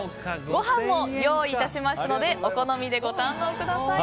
ご飯も用意しましたのでお好みでご堪能ください。